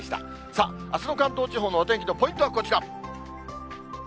さあ、あすの関東地方のお天気のポイントはこちら。